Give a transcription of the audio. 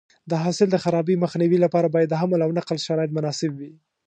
د حاصل د خرابي مخنیوي لپاره باید د حمل او نقل شرایط مناسب وي.